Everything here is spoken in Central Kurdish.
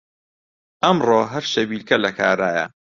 ئەمڕۆ هەر شەویلکە لە کارایە